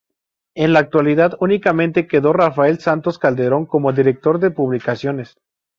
En la actualidad, únicamente queda Rafael Santos Calderón como director de publicaciones.